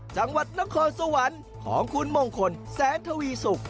จังหวัดนครสวรรค์ของคุณมงคลแสนทวีสุก